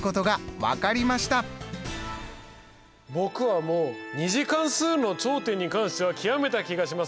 僕はもう２次関数の頂点に関しては極めた気がします。